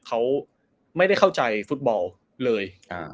เขาไม่ได้เข้าใจฟุตบอลเลย